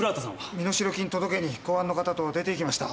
身代金届けに公安の方と出て行きました。